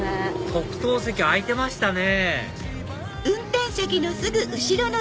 特等席空いてましたね